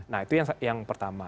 nah itu yang pertama